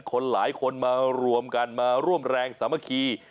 คนหลายคนมารวมกันมาร่วมแรงสามัคคี